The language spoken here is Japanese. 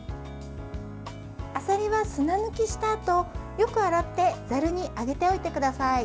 あさりは砂抜きしたあとよく洗ってざるに上げておいてください。